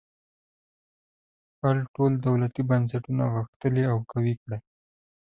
خپل ټول دولتي بنسټونه غښتلي او قوي کړي.